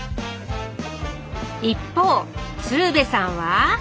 一方鶴瓶さんは？